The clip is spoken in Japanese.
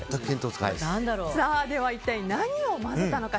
では一体何を混ぜたのか。